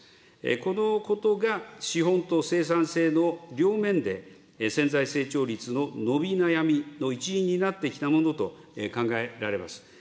このことが資本と生産性の両面で、潜在成長率の伸び悩みの一因になってきたものと考えられます。